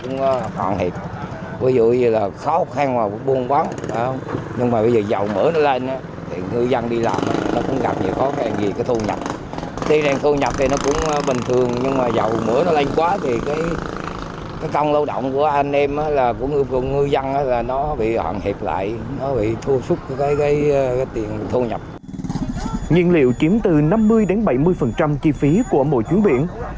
nhiên liệu chiếm từ năm mươi đến bảy mươi chi phí của mỗi chuyến biển